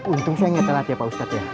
untung saya ngetelat ya pak ustad ya